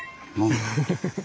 フフフフ。